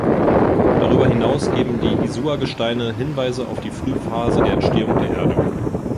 Darüber hinaus geben die Isua-Gesteine Hinweise auf die Frühphase der Entstehung der Erde.